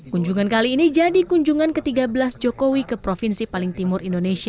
kunjungan kali ini jadi kunjungan ke tiga belas jokowi ke provinsi paling timur indonesia